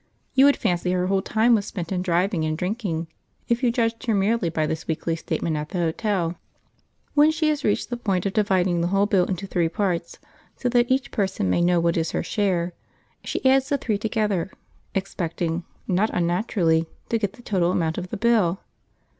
You would fancy her whole time was spent in driving and drinking, if you judged her merely by this weekly statement at the hotel. When she has reached the point of dividing the whole bill into three parts, so that each person may know what is her share, she adds the three together, expecting, not unnaturally, to get the total amount of the bill.